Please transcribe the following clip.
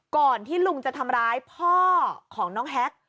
ก่อนที่ลุงจะทำร้ายพ่อของน้องแฮก